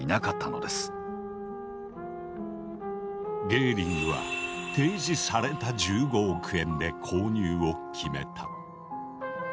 ゲーリングは提示された１５億円で購入を決めた。